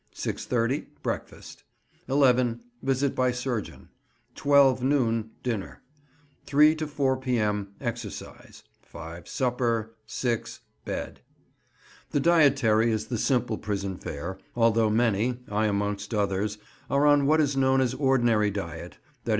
6.30 ,, Breakfast. 11 ,, Visit by surgeon. 12 (noon) Dinner. 3 to 4 P.M. Exercise. 5 ,, Supper. 6 ,, Bed. The dietary is the simple prison fare, although many (I amongst others) are on what is known as ordinary diet—_i.